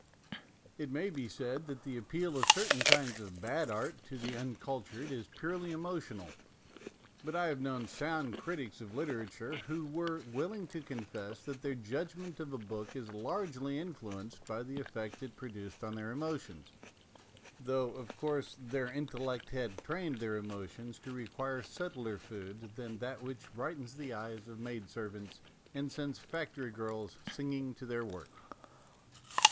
It may be said that the appeal of certain kinds of bad art to the uncultured is purely emotional ; but I have known sound critics of literature who were willing to confess that their judgment of a book was largely influenced by the effect it produced on their emotions, though, of course, their intellect had trained their emo tions to require subtler food than that which brightens the eyes of maid servants and sends factory girls singing to their work.